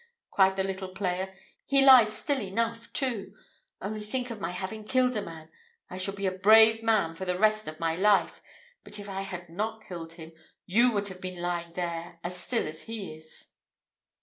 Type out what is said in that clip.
cried the little player. "He lies still enough too. Only think of my having killed a man I shall be a brave man for all the rest of my life. But if I had not killed him, you would have been lying there as still as he is."